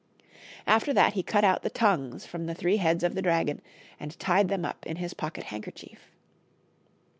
After that he cut out the tongues from the three heads of the dragon, and tied them up in his pocket handkerchief.